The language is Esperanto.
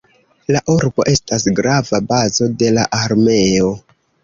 La urbo estas grava bazo de la armeo.